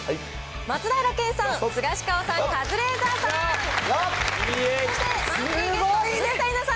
松平健さん、スガシカオさん、カズレーザーさん。